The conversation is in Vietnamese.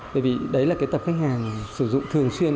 bởi vì đấy là cái tập khách hàng sử dụng thường xuyên